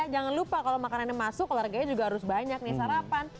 jangan lupa kalau makanannya masuk olahraganya juga harus banyak nih sarapan